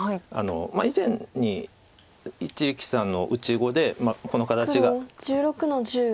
以前に一力さんの打ち碁でこの形ができたのを。